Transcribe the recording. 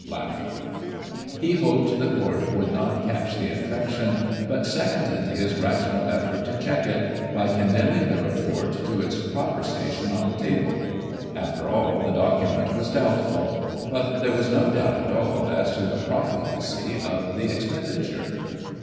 He hoped the Court would not catch the infection, but second his rational effort to check it, by condemning the report to its proper station on the table. After all, the document was doubtful ; but there was no doubt at all as to the profligacy of the ex penditure.